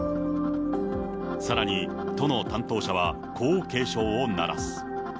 さらに都の担当者は、こう警鐘を鳴らす。